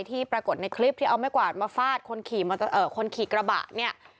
ที่ปรากฏในคลิปที่เอาไม่กว่ามาฟาดคนขี่กระบะนี่